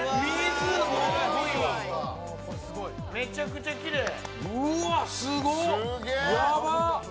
めちゃくちゃきれい！